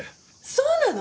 そうなの？